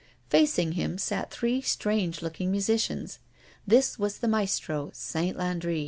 Facing him sat three strange looking musicians. This was the maestro, Saint Landri.